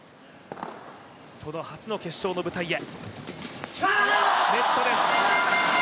その初の決勝の舞台へ。